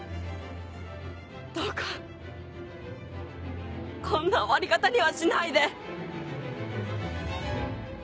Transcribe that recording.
どうかこんな終わり方にはしないで。